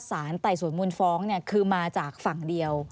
สารไต่สวนมูลฟ้องเนี่ยคือมาจากฝั่งเดียว